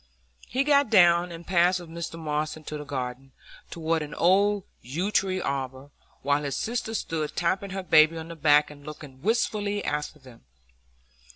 He got down, and passed with Mr Moss into the garden, toward an old yew tree arbour, while his sister stood tapping her baby on the back and looking wistfully after them.